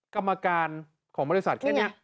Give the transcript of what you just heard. กรรมการของบริษัทแค่นี้